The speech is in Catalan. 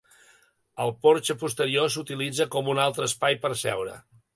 El porxe posterior s'utilitza com un altre espai per seure.